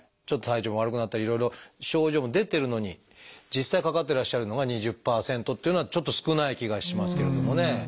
ちょっと体調が悪くなったりいろいろ症状も出てるのに実際かかってらっしゃるのが２０％っていうのはちょっと少ない気がしますけれどもね。